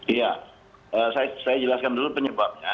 iya saya jelaskan dulu penyebabnya